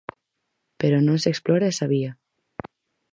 Pero non se explora esa vía.